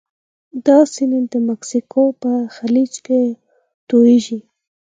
دا سیند د مکسیکو په خلیج کې تویږي.